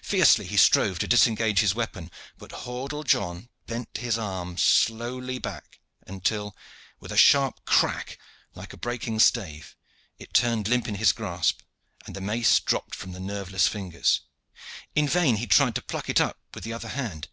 Fiercely he strove to disengage his weapon, but Hordle John bent his arm slowly back until, with a sharp crack, like a breaking stave, it turned limp in his grasp, and the mace dropped from the nerveless fingers. In vain he tried to pluck it up with the other hand.